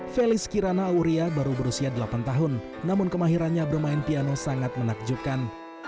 felis kirana auria baru berusia delapan tahun namun kemahirannya bermain piano sangat menakjubkan